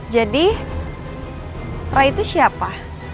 jadi roy itu siapa